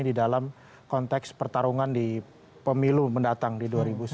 di dalam konteks pertarungan di pemilu mendatang di dua ribu sembilan belas